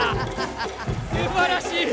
すばらしい。